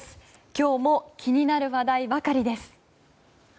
今日も気になる話題ばかりです。